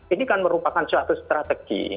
ini kan merupakan suatu strategi